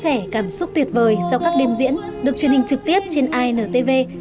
chia sẻ cảm xúc tuyệt vời sau các đêm diễn được truyền hình trực tiếp trên intv